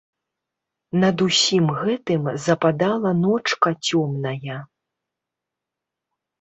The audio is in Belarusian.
Над усім гэтым западала ночка цёмная.